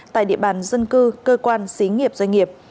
tại địa bàn dân cư cơ quan xí nghiệp doanh nghiệp